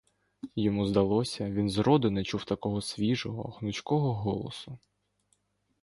Йому здалося — він зроду не чув такого свіжого, гнучкого голосу.